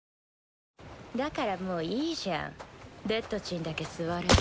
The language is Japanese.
だからもういいじゃんデッドちんだけ座れば。